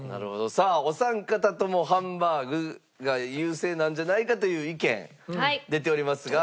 さあお三方ともハンバーグが優勢なんじゃないかという意見出ておりますが。